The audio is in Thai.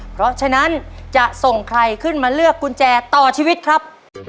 เพราะฉะนั้นจะส่งใครขึ้นมาเลือกกุญแจต่อชีวิตครับ